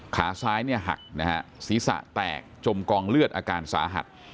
ขาซ้ายหักศีรษะแตกจมกองเลือดอาการสาหัส